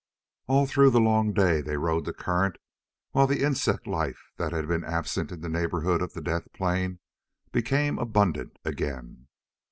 All through the long day they rode the current, while the insect life that had been absent in the neighborhood of the death plain became abundant again.